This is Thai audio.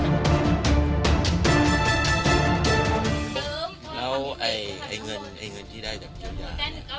แล้วไอ้เงินที่ได้จากคุณยาย